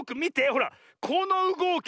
ほらこのうごき。